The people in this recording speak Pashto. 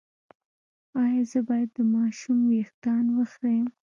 ایا زه باید د ماشوم ویښتان وخرییم؟